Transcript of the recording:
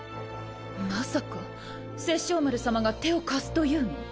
まさか殺生丸さまが手を貸すというの？